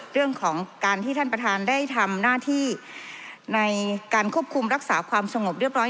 เรื่องของการที่ท่านประธานได้ทำหน้าที่ในการควบคุมรักษาความสงบเรียบร้อย